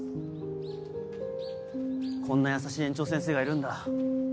こんな優しい園長先生がいるんだ。